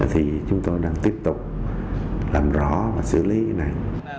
thì chúng tôi đang tiếp tục làm rõ và xử lý cái này